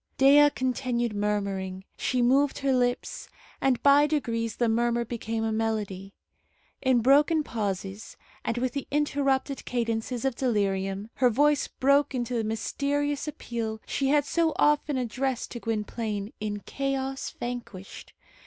Dea continued murmuring. She moved her lips, and by degrees the murmur became a melody. In broken pauses, and with the interrupted cadences of delirium, her voice broke into the mysterious appeal she had so often addressed to Gwynplaine in Chaos Vanquished.